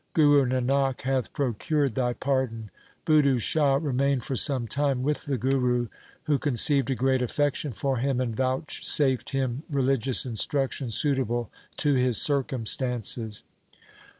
Guru Nanak hath procured thy pardon.' Budhu Shah remained for some time with the Guru, who con ceived a great affection for him and vouchsafed him religious instruction suitable to his circumstances.